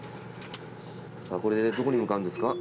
さぁこれでどこに向かうんですか？